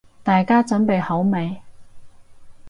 大家準備好未？